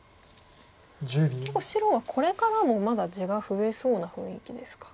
結構白はこれからもまだ地が増えそうな雰囲気ですか。